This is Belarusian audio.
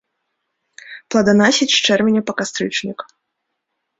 Плоданасіць з чэрвеня па кастрычнік.